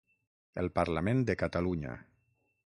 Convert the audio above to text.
El Parlament de Catalunya